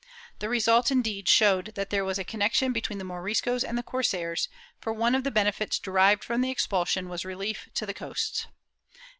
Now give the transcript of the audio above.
The result, indeed, showed that there was a connection between the Moriscos and the corsairs, for one of the benefits derived from the expulsion was relief to the coasts.